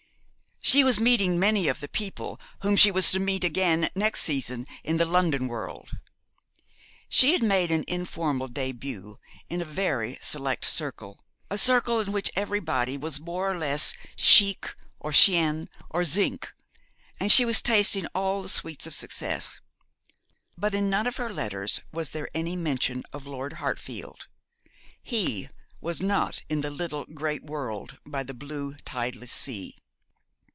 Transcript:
She was meeting many of the people whom she was to meet again next season in the London world. She had made an informal début in a very select circle, a circle in which everybody was more or less chic, or chien, or zinc, and she was tasting all the sweets of success. But in none of her letters was there any mention of Lord Hartfield. He was not in the little great world by the blue tideless sea.